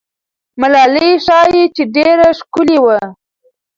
ملالۍ ښایي چې ډېره ښکلې وه.